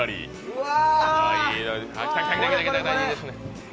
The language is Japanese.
うわ！